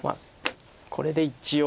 これで一応。